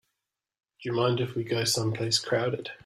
Do you mind if we go someplace crowded?